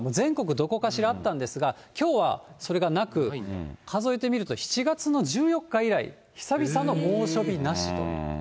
どこかしらあったんですが、きょうはそれがなく、数えてみると７月の１４日以来、久々の猛暑日なしと。